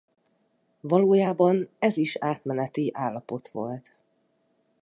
Valójában ez is átmeneti állapot volt.